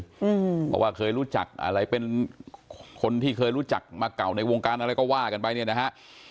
เพราะว่าเคยรู้จักอะไรเป็นคนที่เคยรู้จักมาเก่าในวงการอะไรก็ว่ากันไปเนี่ยนะฮะ